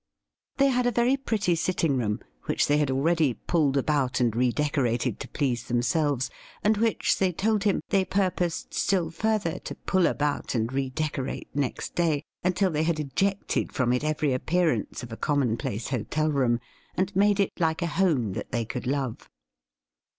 They had a very pretty sitting room, which they had already pulled about and redecorated to please themselves, 28 THE RIDDLE RING and which, they told him, they pm posed still further to pull about and redecorate next day, until they had ejected from it every appearance of a commonplace hotel room, and made it like a home that they could love.